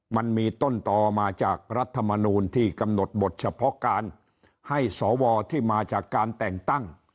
มันมีต้นต่อมาจากรัฐมนูลที่กำหนดบทเฉพาะการให้สวที่มาจากการแต่งตั้ง